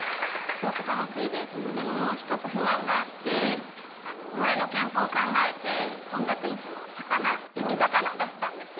すごく楽しいですでも１つ不満があってもろえの健康を考えて献立いつも焼き魚を出してたんですよ